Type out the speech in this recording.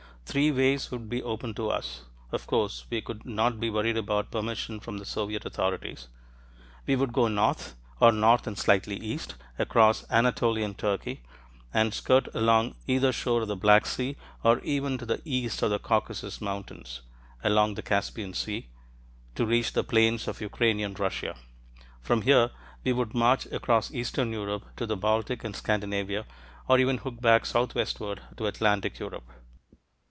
Three ways would be open to us (of course we could not be worried about permission from the Soviet authorities!). We would go north, or north and slightly east, across Anatolian Turkey, and skirt along either shore of the Black Sea or even to the east of the Caucasus Mountains along the Caspian Sea, to reach the plains of Ukrainian Russia. From here, we could march across eastern Europe to the Baltic and Scandinavia, or even hook back southwestward to Atlantic Europe.